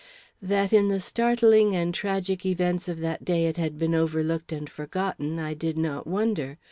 That in the startling and tragic events of that day it had been overlooked and forgotten, I did not wonder.